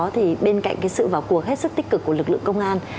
thì bên cạnh cái sự vào cuộc hết sức tích cực của lực lượng công an